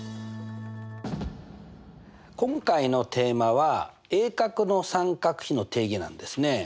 今回のテーマは「鋭角の三角比の定義」なんですね。